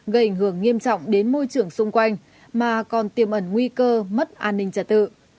gây ảnh hưởng nghiêm trọng đến môi trường xung quanh mà còn tiêm ẩn nguy cơ mất an ninh trật tự